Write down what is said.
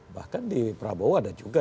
bahkan di prabowo ada juga